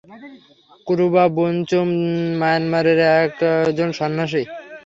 ক্রুবা বুনচুম মায়ানমারের একজন সন্যাসী।